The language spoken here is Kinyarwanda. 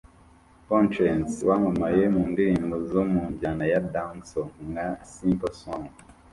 Konshens wamamaye mu ndirimbo zo mu njyana ya Dancehall nka ’Simple Song’